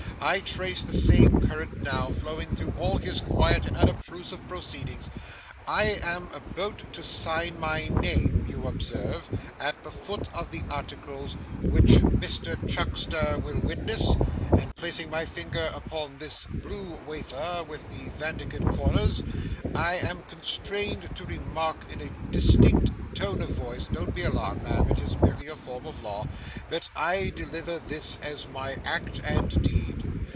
I trace the same current now, flowing through all his quiet and unobtrusive proceedings. I am about to sign my name, you observe, at the foot of the articles which Mr Chuckster will witness; and placing my finger upon this blue wafer with the vandyked corners, I am constrained to remark in a distinct tone of voice don't be alarmed, ma'am, it is merely a form of law that I deliver this, as my act and deed.